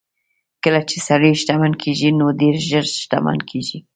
کله چې سړی شتمن کېږي نو ډېر ژر شتمن کېږي.